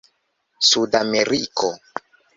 sudameriko